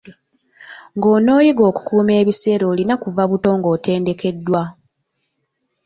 Ng'onooyiga okukuuma ebiseera olina kuva buto ng'otendekeddwa.